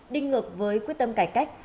đinh ngược với quyết tâm cải cách